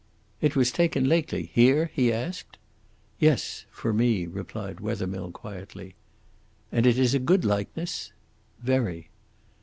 "It was taken lately, here?" he asked. "Yes; for me," replied Wethermill quietly. "And it is a good likeness?" "Very."